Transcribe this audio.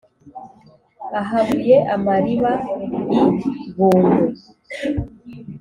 ahabuye amariba i bungwe,